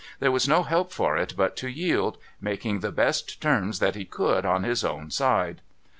There was no help for it but to yield, making the best terms that he could on his own side.